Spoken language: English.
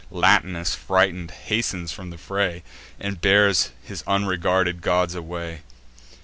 Latinus, frighted, hastens from the fray, And bears his unregarded gods away.